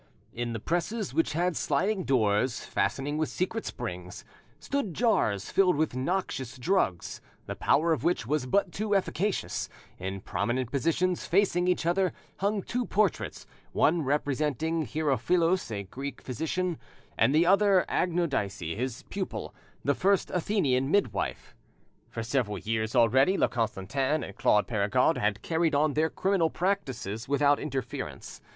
In the presses, which had sliding doors fastening with secret springs, stood Jars filled with noxious drugs, the power of which was but too efficacious; in prominent positions, facing each other, hung two portraits, one representing Hierophilos, a Greek physician, and the other Agnodice his pupil, the first Athenian midwife. For several years already La Constantin and Claude Perregaud had carried on their criminal practices without interference.